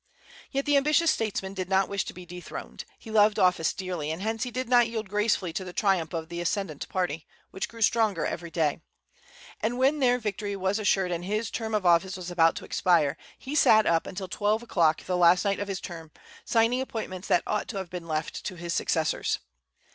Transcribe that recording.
Yet the ambitious statesman did not wish to be dethroned. He loved office dearly, and hence he did not yield gracefully to the triumph of the ascendent party, which grew stronger every day. And when their victory was assured and his term of office was about to expire, he sat up till twelve o'clock the last night of his term, signing appointments that ought to have been left to his successors.